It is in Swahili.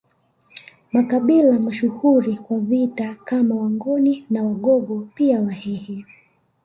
Makabila mashuhuri kwa vita kama Wangoni na Wagogo pia Wahehe